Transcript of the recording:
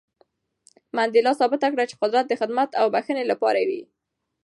منډېلا ثابته کړه چې قدرت د خدمت او بښنې لپاره وي.